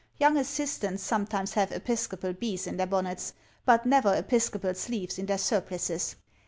Young assistants sometimes have Episcopal bees in their bonnets, but never Episcopal sleeves in their surplices.